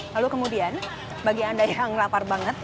lalu kemudian bagi anda yang lapar banget